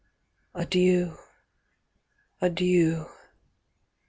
Adieu! adieu!